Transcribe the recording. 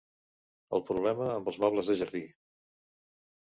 El problema amb els mobles de jardí.